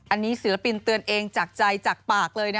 อันนี้ศิลปินเตือนเองจากใจจากปากเลยนะ